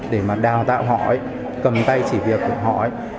để mà đào tạo họ cầm tay chỉ việc của họ